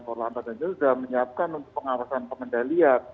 korlanta dan juga menyiapkan untuk pengawasan pemendalian